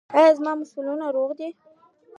ایا زما مفصلونه روغ دي؟